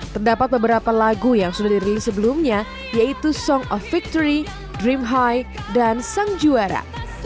terdapat beberapa lagu yang sudah dirilis sebelumnya yaitu song of victory dream high dan sang juara